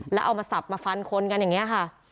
แล้วเอามาสับมาฟันคนกันอย่างนี้ค่ะ